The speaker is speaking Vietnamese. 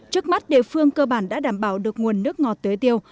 trước mắt địa phương cơ bản đã đảm bảo được nguồn nước ngọt tế tiêu